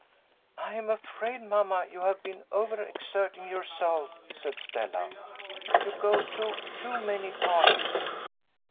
"I am afraid, mamma, you have been overexerting yourself," said Stella. "You go to too many parties."